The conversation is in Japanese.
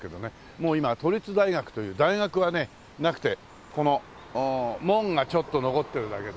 もう今都立大学という大学はねなくてこの門がちょっと残ってるだけで。